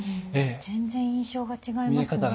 全然印象が違いますね。